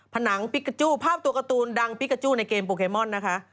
ผนังปิกาจู้ภาพตัวการ์ตูนดังปิกาจู้ในเกมโปเกมอนนะคะ